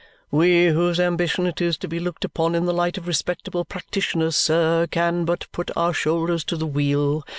"We whose ambition it is to be looked upon in the light of respectable practitioners, sir, can but put our shoulders to the wheel.